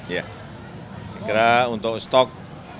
ya karena untuk stok